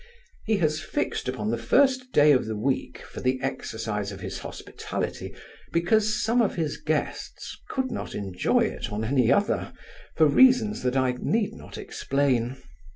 He has fixed upon the first day of the week for the exercise of his hospitality, because some of his guests could not enjoy it on any other, for reasons that I need not explain.